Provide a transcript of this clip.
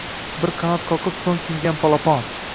Bir qanot qoqib so‘ng tingan polapon